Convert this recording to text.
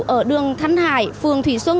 ở đường thanh hải phường thủy xuân